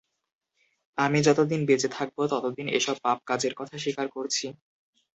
আমি যতদিন বেঁচে থাকবো ততদিন এসব পাপ কাজের কথা স্বীকার করছি।